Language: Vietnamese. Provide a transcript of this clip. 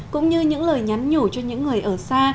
cũng như những lời nhắn nhủ cho những người ở xa